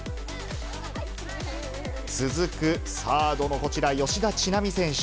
続くサードのこちら、吉田知那美選手。